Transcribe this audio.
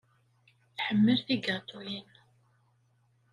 Tḥemmel tigaṭuyin.